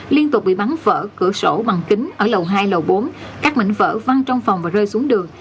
liên tục bị bắn vỡ cửa sổ bằng kính ở lầu hai lầu bốn các mảnh vỡ văng trong phòng và rơi xuống đường